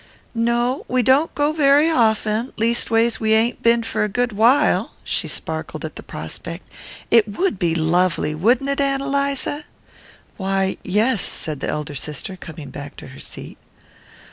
"No, we don't very often; leastways we ain't been for a good while." She sparkled at the prospect. "It would be lovely, wouldn't it, Ann Eliza?" "Why, yes," said the elder sister, coming back to her seat.